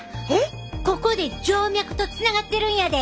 ここで静脈とつながってるんやで！